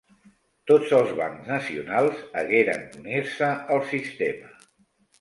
Tots els bancs nacionals hagueren d'unir-se al sistema.